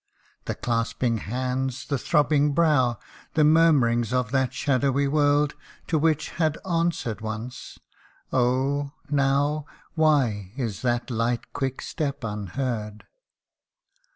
The clasping hands the throbbing brow The murmuring of that shadowy word, To which had answered once oh ! now, Why is that light quick step unheard